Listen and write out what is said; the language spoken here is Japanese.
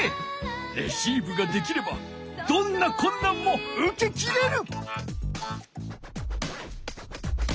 レシーブができればどんなこんなんもうけきれる！